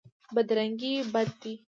بدرنګي بد دی.